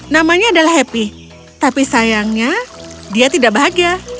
namanya adalah happy tapi sayangnya dia tidak bahagia